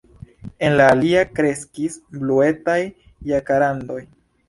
En la aliaj kreskis bluetaj jakarandoj.